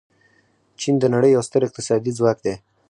چین د نړۍ یو ستر اقتصادي ځواک دی.